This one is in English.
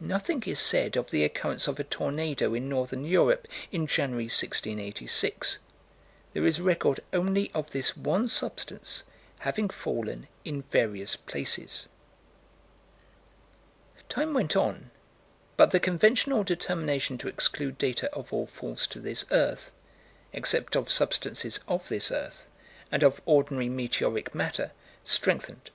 Nothing is said of the occurrence of a tornado in northern Europe, in January, 1686. There is record only of this one substance having fallen in various places. Time went on, but the conventional determination to exclude data of all falls to this earth, except of substances of this earth, and of ordinary meteoric matter, strengthened.